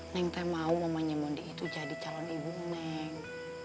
neng teh mau mamanya mandi jadi calon ibu neng